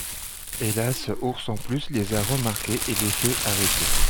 Hélas, Oursenplus les a remarqués et les fait arrêter.